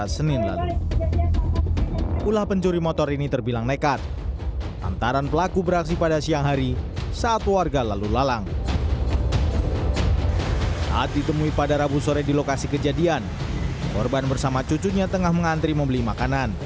saat ini pada rabu sore di lokasi kejadian korban bersama cucunya tengah mengantri membeli makanan